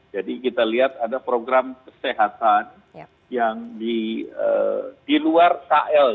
jadi kita lihat ada program kesehatan yang di luar kl ya